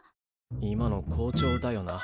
今の校長だよな。